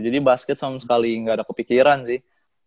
jadi basket sama sekali gak ada kepikiran sih